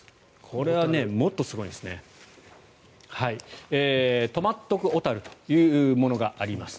これはもっとすごいんです。とまっ得おたるというものがあります。